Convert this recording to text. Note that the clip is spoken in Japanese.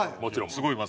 『すごいよ！！